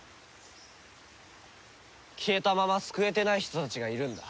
消えたまま救えてない人たちがいるんだ。